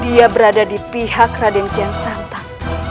dia berada di pihak raden kian santa